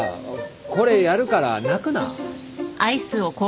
これやるから泣くな